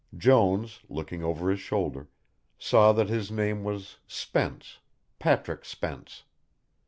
Jones, looking over his shoulder, saw that his name was Spence, Patrick Spence.